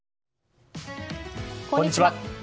こんにちは。